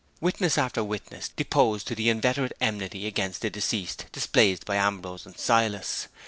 Witness after witness deposed to the inveterate enmity against the deceased displayed by Ambrose and Silas.